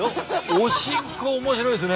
おしんこ面白いですね。